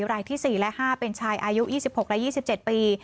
รายที่๔และ๕เป็นชายอายุ๒๖และ๒๗ปี